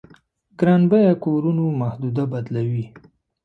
ګران بيه کورونو محدوده بدلوي.